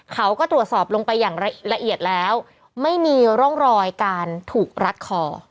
เขาก็ตรวจสอบลงไปอย่างละเอียดแล้วไม่มีร่องรอยการถูกรัดคอ